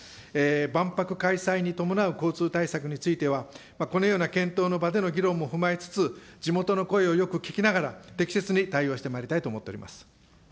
万博開催に伴う交通対策については、このような検討の場での議論も踏まえつつ、地元の声をよく聞きながら、適切に対応してまいりたいと思っております。